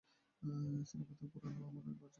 সিনেমাতে পুরনো আমলের জমিদার বাড়ির মতো বাড়ি।